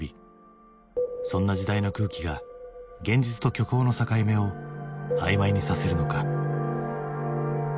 そんな時代の空気が現実と虚構の境目をあいまいにさせるのか。